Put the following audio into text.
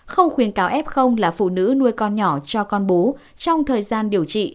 không khuyến cáo ép không là phụ nữ nuôi con nhỏ cho con bú trong thời gian điều trị